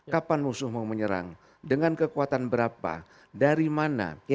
kapan musuh mau menyerang dengan kekuatan berapa dari mana